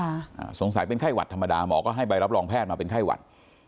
อ่าสงสัยเป็นไข้หวัดธรรมดาหมอก็ให้ใบรับรองแพทย์มาเป็นไข้หวัด